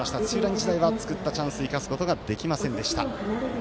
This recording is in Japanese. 日大は作ったチャンス生かすことができませんでした。